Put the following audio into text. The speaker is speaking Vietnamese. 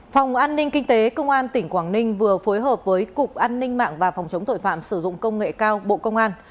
phòng an ninh kinh tế công an tỉnh quảng ninh vừa phối hợp với cục an ninh mạng và phòng chống tội phạm sử dụng công nghệ cao bộ công an